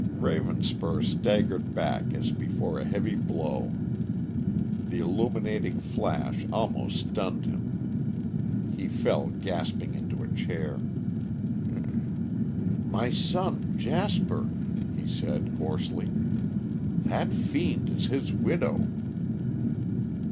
Ravenspur staggered back as before a heavy blow. The illuminating flash almost stunned him. He fell gasping into a chair. "My son, Jasper," he said hoarsely. "That fiend is his widow."